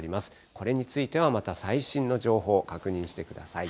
これについては、また最新の情報、確認してください。